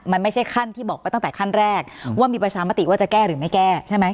มันไม่ใช่ขั้นที่บอกไปตั้งแต่ขั้นแรกว่ามีประชามติว่าจะแก้หรือไม่แก้ใช่ไหม